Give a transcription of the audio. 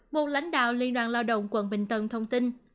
một lãnh đạo liên đoàn lao động quận bình tân thông tin